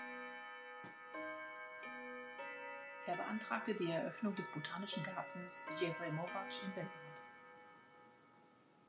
Er beantragte die Eröffnung des Botanischen Gartens „Jevremovac“ in Belgrad.